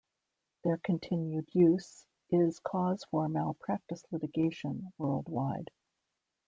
Their continued use is cause for malpractice litigation worldwide.